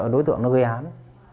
đối tượng nó gây án